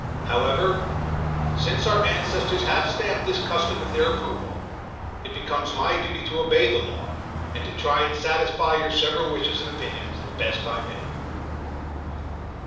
However, since our ancestors have stamped this custom with their approval, it becomes my duty to obey the law and to try to satisfy your several wishes and opinions as best I may.